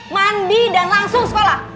mandi dan langsung sekolah